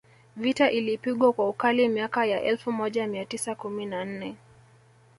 Vita ilipigwa kwa ukali miaka ya elfu moja mia tisa kumi na nne